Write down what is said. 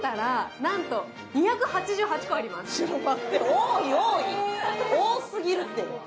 多い、多い、多すぎるて！